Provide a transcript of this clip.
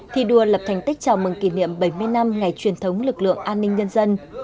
thi đua lập thành tích chào mừng kỷ niệm bảy mươi năm ngày truyền thống lực lượng an ninh nhân dân